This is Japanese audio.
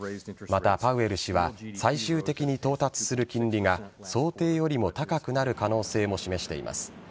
また、パウエル氏は最終的に到達する金利が想定よりも高くなる可能性も示しています。